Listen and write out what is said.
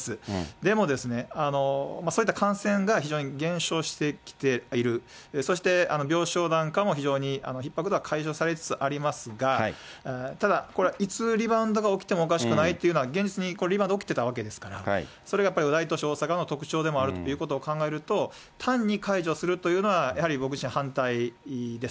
でもですね、そういった感染が非常に減少してきている、そして病床なんかも非常にひっ迫度は解消されつつありますが、ただこれ、いつリバウンドが起きてもおかしくないというのは、現実に今まで起きてたわけですから、それがやっぱり、大都市、大阪の特徴でもあるということを考えると、単に解除するというのは、やはり僕自身、反対です。